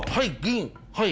はい。